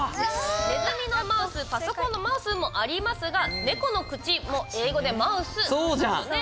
ネズミのマウスパソコンのマウスもありますが猫の口も英語でｍｏｕｔｈなんですよね。